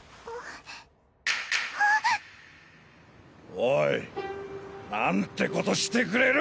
おいなんてことしてくれる！